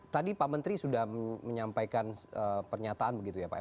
tadi pak menteri sudah menyampaikan pernyataan begitu ya pak